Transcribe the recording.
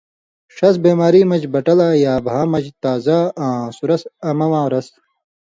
ݜس بیماری مژ بٹہ لا یا بھاں مژ تازا آں سُرسہۡ امہ واں رس